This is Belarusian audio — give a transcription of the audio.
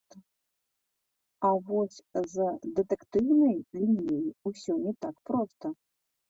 А вось з дэтэктыўнай лініяй усё не так проста.